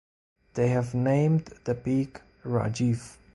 They have named the peak Rajiv.